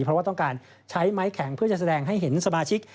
เพราะว่าต้องการใช้ไม้แข็งเพื่อจะแสดงให้เห็นสมาชิก